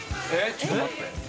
ちょっと待って。